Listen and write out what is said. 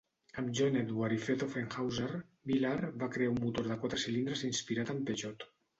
Amb John Edward i Fred Offenhauser, Miller va crear un motor de quatre cilindres inspirat en Peugeot.